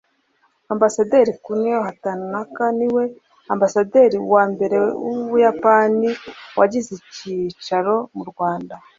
Ambasaderi Kunio Hatanaka ni we Ambasaderi wa mbere w’u Buyapani wagize icyicaro mu Rwanda